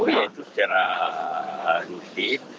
oh iya itu secara justi